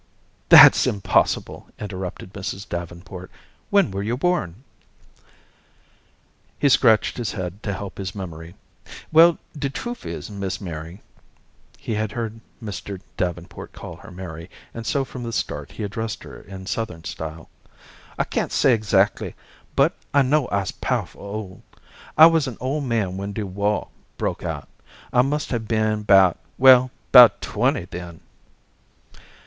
"That's impossible," interrupted Mrs. Davenport. "When were you born?" He scratched his head to help his memory. "Well, de truf is, Miss Mary" he had heard Mr. Davenport call her Mary, and so from the start he addressed her in Southern style "I can't say 'xactly, but I know I'se powerful old. I wuz an ole man when de wah broke out. I must have been 'bout well 'bout twenty then."